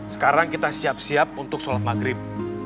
sekarang kita siap siap untuk sholat maghrib